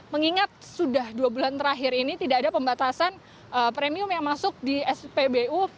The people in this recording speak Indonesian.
mengingat sudah dua bulan terakhir ini tidak ada pembatasan premium yang masuk di spbu